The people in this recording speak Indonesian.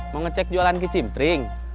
mau ngecek jualan kicim pring